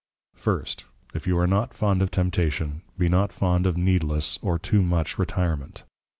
First, If you are not fond of Temptation, be not fond of Needless, or Too much Retirement.